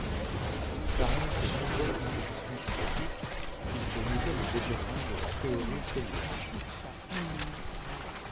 Parmi ses nombreuses contributions scientifiques, il faut noter le développement de la théorie cellulaire.